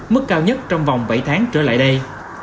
mức cao nhất trong vòng bảy tháng trở lại đây